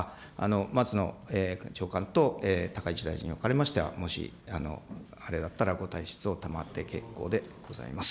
松野長官と高市大臣におかれましては、もしあれだったら、ご退出を賜って結構でございます。